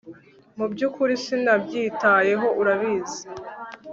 Mu byukuri sinabyitayeho urabizi